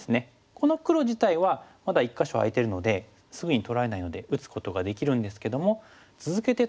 この黒自体はまだ１か所空いてるのですぐに取られないので打つことができるんですけども続けて例えばここに黒から